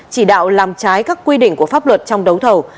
chỉ đạo làm trái các quy định của pháp luật trong đấu thầu